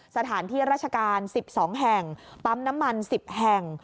สถานที่ราชการ๑๒แห่งปั๊มน้ำมัน๑๐แห่ง